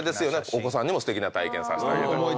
お子さんにもすてきな体験させてあげたい。